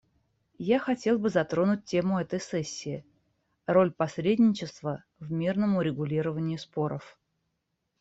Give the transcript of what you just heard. Я хотел бы затронуть тему этой сессии — роль посредничества в мирном урегулировании споров.